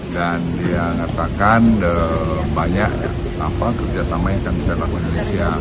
dan dia mengatakan banyak kerjasama yang akan kita lakukan di indonesia